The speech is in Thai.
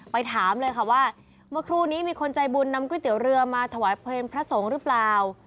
ไปถามเลยค่ะว่าเมื่อครู่นี้มีคนใจบุญนำก๋วยเตี๋ยวเรือมาถวายเพลงพระสงฆ์หรือเปล่า